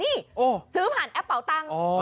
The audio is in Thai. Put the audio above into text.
นี่ซื้อผ่านแอปเป่าตังค์